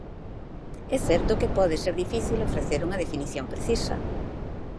É certo que pode ser difícil ofrecer unha definición precisa.